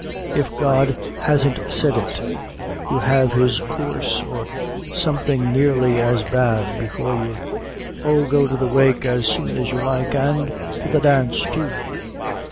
If God hasn't said it, you have his coorse, or something nearly as bad, before you. Oh! go to the wake as soon as you like, an' to the dance, too.